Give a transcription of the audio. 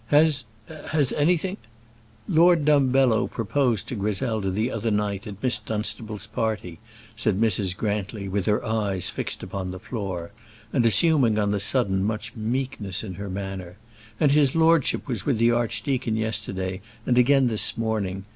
"Has has anything " "Lord Dumbello proposed to Griselda the other night, at Miss Dunstable's party," said Mrs. Grantly, with her eyes fixed upon the floor, and assuming on the sudden much meekness in her manner; "and his lordship was with the archdeacon yesterday, and again this morning.